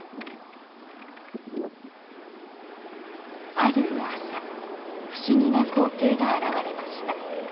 ある朝不思議な光景が現れました。